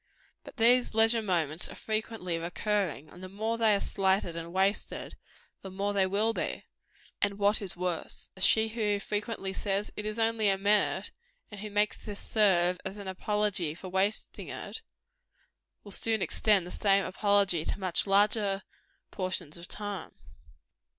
But these leisure moments are frequently recurring; and the more they are slighted and wasted, the more they will be. And what is worse, she who frequently says, It is only a minute and who makes this serve as an apology for wasting it will soon extend the same apology to much larger portions of time.